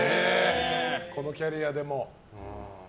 このキャリアでも。